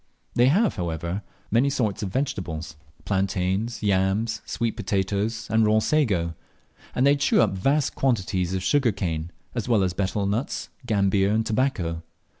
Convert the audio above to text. They have, however, many sorts of vegetables, plantains, yams, sweet potatoes, and raw sago; and they chew up vast quantities of sugar cane, as well as betel nuts, gambir, and tobacco.